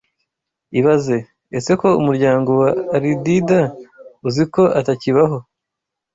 Ibaze: Ese ko umuryango wa Alidida uzi ko atakibaho,